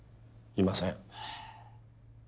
いません。